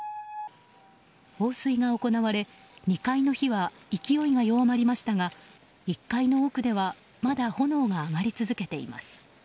放水が行われ、２階の火は勢いが弱まりましたが１階の奥ではまだ炎が上がり続けています。